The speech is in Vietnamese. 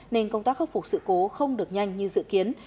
nên công tác khắc phục sự cố không được nhanh như dự kiến